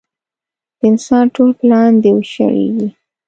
د انسان ټول پلان دې وشړېږي.